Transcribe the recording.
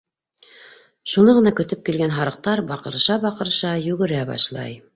Шуны ғына көтөп килгән һарыҡтар, баҡырыша-баҡырыша, йүгерә башлай.